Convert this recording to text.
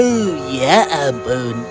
oh ya ampun